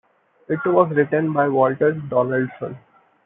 It was written by Walter Donaldson.